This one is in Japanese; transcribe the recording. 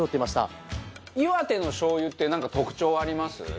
バカリズム：岩手のしょう油ってなんか特徴あります？